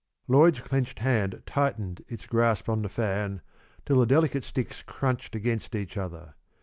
Lloyd's clenched hand tightened its grasp on the fan till the delicate sticks crunched against each other.